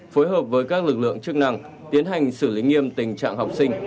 phối hợp với các lực lượng chức năng tiến hành xử lý nghiêm tình trạng học sinh